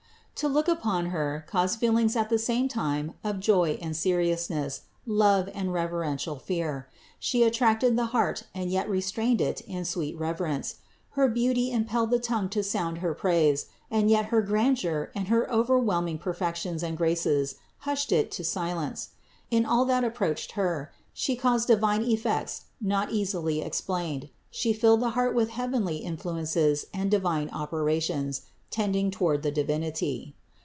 To look upon Her caused feelings at the same time of joy and 96 CITY OF GOD seriousness, love and reverential fear. She attracted the heart and yet restrained it in sweet reverence ; her beauty impelled the tongue to sound her praise, and yet her grandeur and her overwhelming perfections and graces hushed it to silence. In all that approached Her, She caused divine effects not easily explained; She filled the heart with heavenly influences and divine operations, tending toward the Divinity.